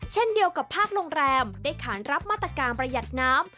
เช่นเดียวกับภาคโรงแรมได้ขานรับมาตรการประหยัดน้ำ